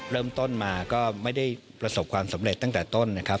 เริ่มต้นมาก็ไม่ได้ประสบความสำเร็จตั้งแต่ต้นนะครับ